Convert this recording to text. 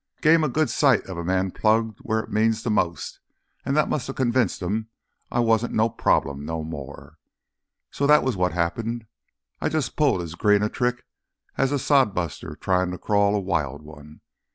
Gave 'em a good sight of a man plugged where it means th' most an' that musta convinced 'em I wasn't no problem no more. So—that was what happened. I jus' pulled as green a trick as a sod buster tryin' to crawl a wild one!